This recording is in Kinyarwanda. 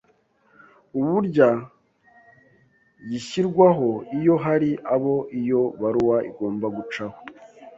uburya Gishyirwaho iyo hari abo iyo baruwa igomba gucaho